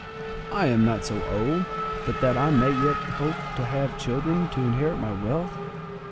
I am not so old but that I may yet hope to have children to inherit my wealth.